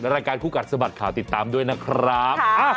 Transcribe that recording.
รายการคู่กัดสะบัดข่าวติดตามด้วยนะครับ